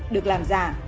được làm giả